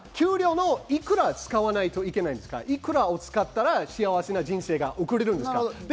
まずは給料のいくら使わないといけないか、いくらを使ったら幸せな人生が送れるんですか？